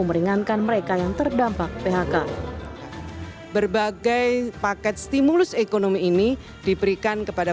meringankan mereka yang terdampak phk berbagai paket stimulus ekonomi ini diberikan kepada